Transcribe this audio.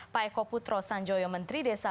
pak eko putro sanjoyo menteri desa